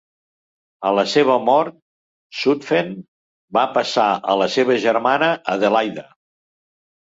A la seva mort, Zutphen va passar a la seva germana Adelaida.